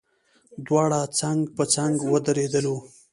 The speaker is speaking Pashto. دواړه څنګ په څنګ ودرېدلو.